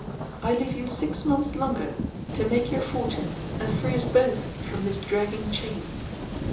I leave you six months longer to make your fortune and free us both from this dragging chain.